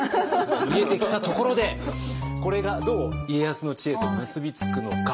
見えてきたところでこれがどう家康の知恵と結び付くのか。